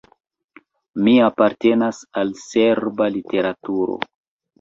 Mi apartenas al serba literaturo.